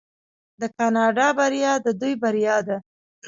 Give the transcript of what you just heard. د کاناډا بریا د دوی بریا ده.